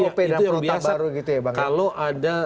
dan perotak baru gitu ya itu yang biasa kalau ada